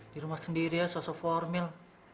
di rumah sendirian sosok formil